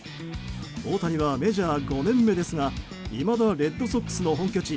大谷はメジャー５年目ですがいまだレッドソックスの本拠地